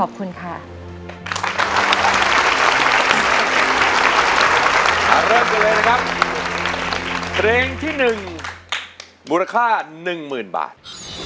เริ่มกันเลยนะครับเพลงที่๑มูลค่า๑๐๐๐บาท